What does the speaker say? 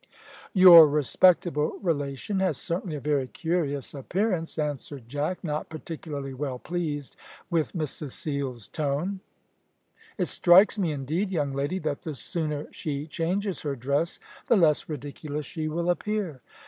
"Your respectable relation has certainly a very curious appearance," answered Jack, not particularly well pleased with Miss Cecile's tone. "It strikes me indeed, young lady, that the sooner she changes her dress, the less ridiculous she will appear."